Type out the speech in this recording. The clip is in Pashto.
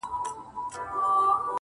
کلونه کیږي بې ځوابه یې بې سواله یې”